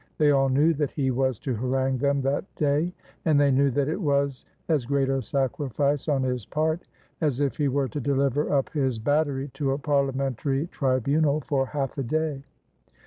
They all knew that he was to harangue them that day, and they knew that it was as great a sacrifice on his part as if he were to deliver up his battery to a parliamentary tribunal for half a day.